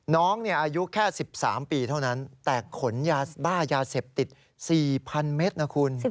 น้องอายุแค่๑๓ปีเท่านั้นแต่ขนยาบ้ายาเสพติด๔๐๐เมตรนะคุณ